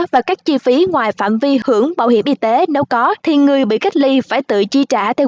và các chi phí ngoài phạm vi hưởng bảo hiểm y tế nếu có thì người bị cách ly phải tự chi trả theo